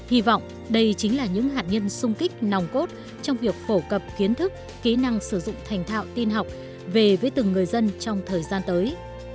hy vọng đây chính là những hạt nhân sung kích nòng cốt trong việc phổ cập kiến thức kỹ năng sử dụng thành thạo tin học về với từng người dân trong thời gian tới